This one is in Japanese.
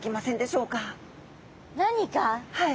はい。